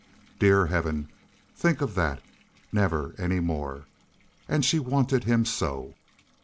Dear heaven, think of that! Never any more. And she wanted him so.